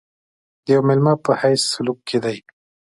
د یوه مېلمه په حیث سلوک کېدی.